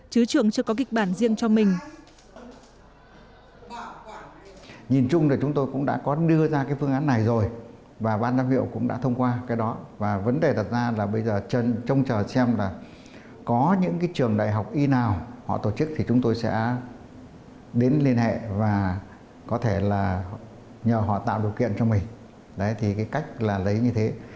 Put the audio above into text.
chứ trường chưa có kịch bản riêng cho mình